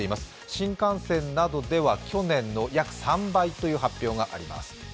新幹線などでは去年の約３倍という発表があります